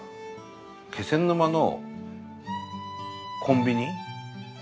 気仙沼のコンビニ。